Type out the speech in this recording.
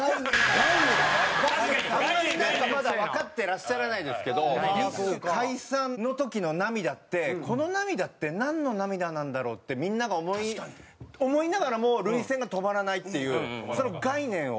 あんまりなんかまだわかってらっしゃらないですけどＢｉＳＨ解散の時の涙ってこの涙ってなんの涙なんだろう？ってみんなが思い思いながらも涙腺が止まらないっていうその概念を。